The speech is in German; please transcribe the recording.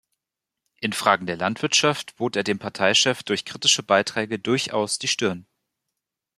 In Fragen der Landwirtschaft bot er dem Parteichef durch kritische Beiträge durchaus die Stirn.